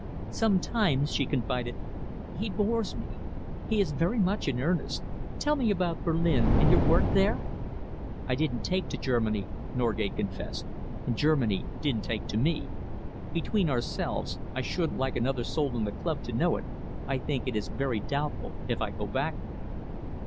"Sometimes," she confided, "he bores me. He is so very much in earnest. Tell me about Berlin and your work there?" "I didn't take to Germany," Norgate confessed, "and Germany didn't take to me. Between ourselves I shouldn't like another soul in the club to know it I think it is very doubtful if I go back there."